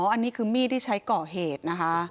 อันนี้คือมีดที่ใช้ก่อเหตุนะคะ